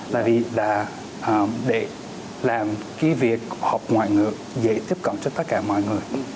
là vì để làm việc học ngoại ngược dễ tiếp cận cho tất cả mọi người